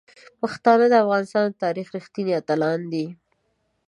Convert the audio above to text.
پښتانه د افغانستان د تاریخ رښتیني اتلان دي.